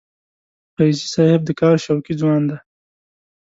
فیضي صاحب د کار شوقي ځوان دی.